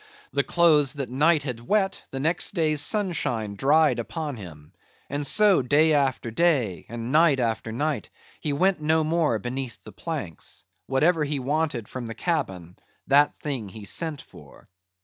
The clothes that the night had wet, the next day's sunshine dried upon him; and so, day after day, and night after night; he went no more beneath the planks; whatever he wanted from the cabin that thing he sent for.